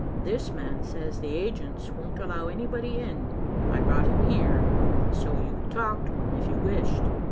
This man says the agents won't allow anybody in. I brought him here, so you could talk to him if you wished."